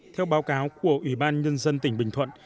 theo báo cáo của ủy ban nhân dân tỉnh bình thuận